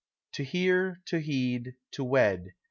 To hear, to heed, to wed.